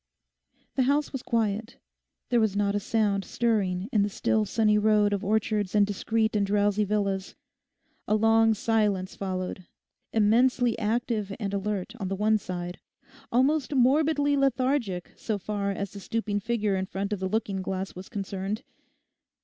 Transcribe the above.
The house was quiet. There was not a sound stirring in the still sunny road of orchards and discreet and drowsy villas. A long silence followed, immensely active and alert on the one side, almost morbidly lethargic so far as the stooping figure in front of the looking glass was concerned.